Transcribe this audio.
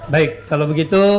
baik kalau begitu